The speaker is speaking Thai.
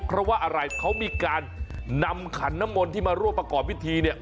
เพราะว่าอะไรเขามีการนำขันน้ำมนต์ที่มาร่วมประกอบพิธีเนี่ย